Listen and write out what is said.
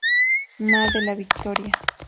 Mª de la Victoria.